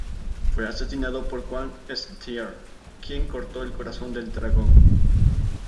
Fue asesinado por Quan-St'ar, quien cortó el corazón del dragón.